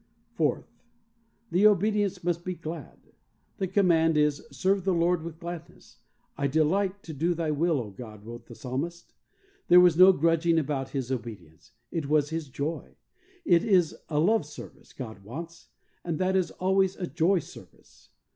Fourth: The obedience must be glad. The command is, "Serve the Lord with glad ness." "I delight to do Thy will, O God," OBEDIENCE. 17 wrote the Psalmist. There was no grudging about his obedience; it was his joy. It is a love service God wants, and that is always a joy service.